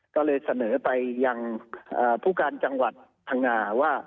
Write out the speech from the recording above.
ก็เลยเสนอไปยังผู้การจังหวัดพังงาว่า